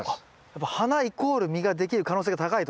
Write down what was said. やっぱ花イコール実ができる可能性が高いと。